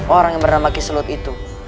orang yang bernama kisulut itu